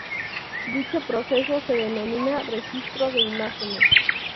Dicho proceso se denomina registro de imágenes.